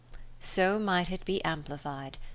So might it be amplified.